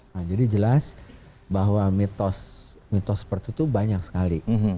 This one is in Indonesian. nah jadi jelas bahwa mitos seperti itu banyak sekali